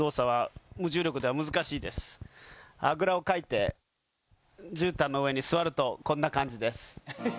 あぐらをかいて絨毯の上に座るとこんな感じです。